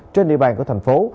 trên địa bàn của thành phố